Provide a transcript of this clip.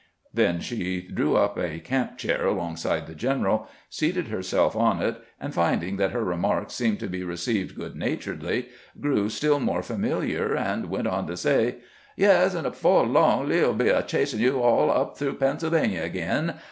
Then she drew up a camp chair alongside the general, seated herself on it, and finding that her remarks seemed to be received good naturedly, grew still more familiar, and went on to say: "Yes, and afo' long Lee '11 be a chasin' you all up through Pennsylvany ag'in.